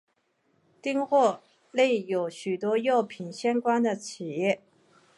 町域内有许多药品相关的企业。